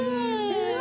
うわ！